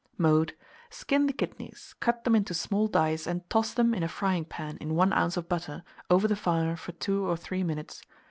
Mode. Skin the kidneys, cut them into small dice, and toss them in a frying pan, in 1 oz. of butter, over the fire for 2 or 3 minutes.